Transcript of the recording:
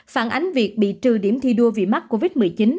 phản ánh việc bị trừ điểm thi đua vì mắc covid một mươi chín